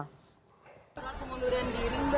pengunduran diri mbak